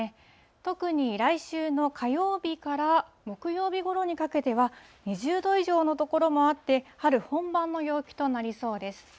特に来週の火曜日から木曜日ごろにかけては、２０度以上の所もあって、春本番の陽気となりそうです。